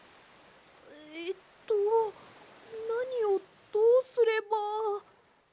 えっとなにをどうすれば。